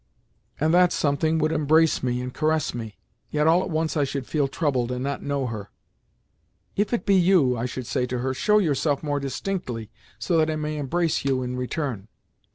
And that something would embrace and caress me. Yet, all at once, I should feel troubled, and not know her. "If it be you," I should say to her, "show yourself more distinctly, so that I may embrace you in return."